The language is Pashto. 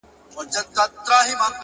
پوه انسان تل زده کوونکی وي